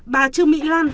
bà trương mỹ lan